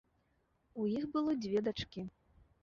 У іх было дзве дачкі.